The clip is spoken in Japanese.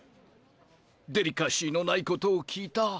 デリカシーのないことを聞いた。